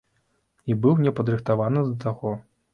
І быў не падрыхтаваны да таго.